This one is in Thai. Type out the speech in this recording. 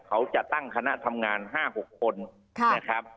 เขาจะตั้งคณะทำงาน๕๖คนนะครับ